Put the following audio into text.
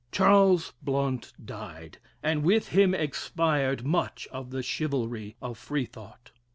Charles Blount died, and with him expired much of the chivalry of Freethought.